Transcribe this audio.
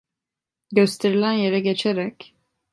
Gösterilen yere geçerek: